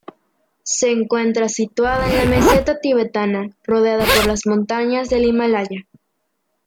Se encuentra situada en la meseta tibetana, rodeada por las montañas del Himalaya.